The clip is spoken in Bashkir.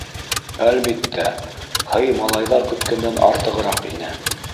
Әлбиттә, һый малайҙар көткәндән артығыраҡ ине.